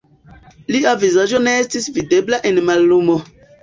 Lia vizaĝo ne estis videbla en mallumo.